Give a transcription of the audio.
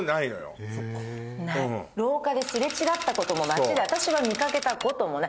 廊下で擦れ違ったことも街で私は見かけたこともない。